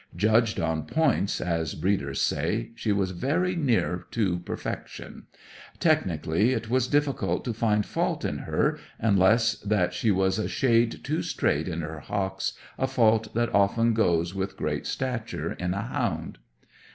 Judged on "points," as breeders say, she was very near to perfection. Technically, it was difficult to find fault in her, unless that she was a shade too straight in her hocks, a fault that often goes with great stature in a hound.